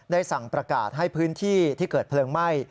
สั่งประกาศให้พื้นที่ที่เกิดเพลิงไหม้